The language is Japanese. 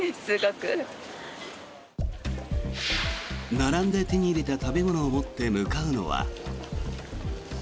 並んで手に入れた食べ物を持って向かうのは。